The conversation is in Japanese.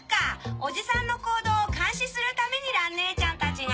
おじさんの行動を監視するために蘭ねえちゃんたちが。